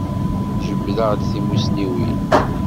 Jebdeɣ-d timussniwin.